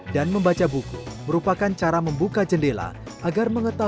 dan membaca buku merupakan cara membuka jendela